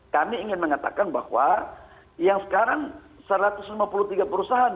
kami ingin mengatakan bahwa yang sekarang satu ratus lima puluh tiga perusahaan